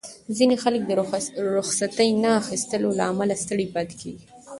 ځینې خلک د رخصتۍ نه اخیستو له امله ستړي پاتې کېږي.